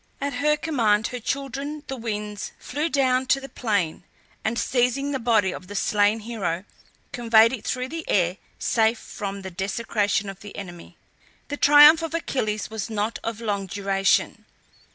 At her command her children, the Winds, flew down to the plain, and seizing the body of the slain hero conveyed it through the air safe from the desecration of the enemy. The triumph of Achilles was not of long duration.